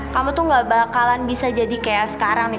kamu tuh gak bakalan bisa jadi kayak sekarang nih